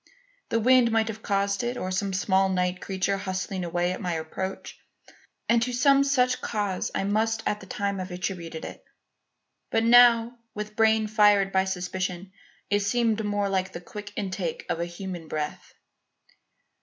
The wind might have caused it or some small night creature hustling away at my approach; and to some such cause I must at the time have attributed it. But now, with brain fired by suspicion, it seemed more like the quick intake of a human breath.